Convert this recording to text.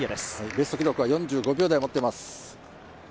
ベスト記録は４５秒台持ってます。